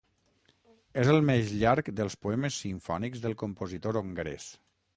És el més llarg dels poemes simfònics del compositor hongarès.